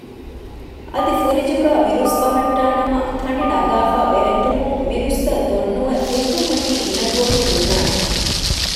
އަދި ފުރިޖުގައި މިރުސް ބަހައްޓާނަމަ ތަނޑި ނަގާފައި ބެހެއްޓުމުން މިރުސްތައް ދޮން ނުވެ ފެހިކަންމަތީ ގިނަ ދުވަހު ހުންނާނެ